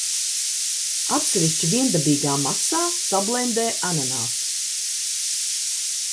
Atsevišķi viendabīgā masā sablendē ananāsus.